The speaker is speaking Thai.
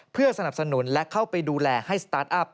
เพื่อสนับสนุนและเข้าไปดูแลให้สตาร์ทอัพ